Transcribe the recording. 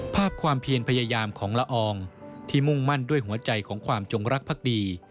ภาพความเพียรพยายามของละอองที่มุ่งมั่นด้วยหัวใจของความจงรักภักดี